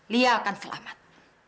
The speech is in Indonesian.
lia akan selamat